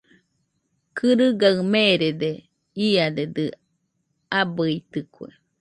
Kɨrɨgaɨ meerede, iadedɨ abɨitɨkue.